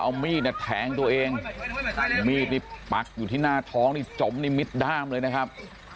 เอามีดเนี่ยแทงตัวเองมีดนี่ปักอยู่ที่หน้าท้องนี่จมนิมิดด้ามเลยนะครับ